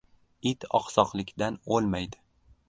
• It oqsoqlikdan o‘lmaydi.